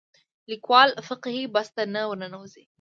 لیکوال فقهي بحث ته نه ورننوځي